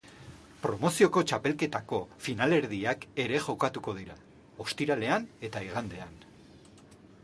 Promozioko txapelketako finalerdiak ere jokatuko dira, ostiralean eta igandean.